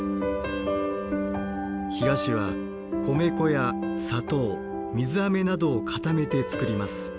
干菓子は米粉や砂糖水あめなどを固めて作ります。